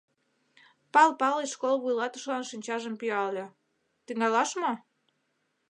Пал Палыч школ вуйлатышылан шинчажым пӱяле: «Тӱҥалаш мо?»